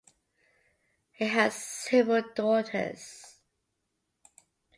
He has several daughters.